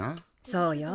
そうよ。